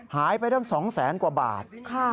หายไปตั้ง๒๐๐๐๐๐กว่าบาท